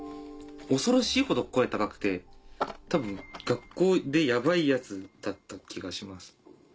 恐ろしいほど声高くて多分学校でヤバいヤツだった気がします。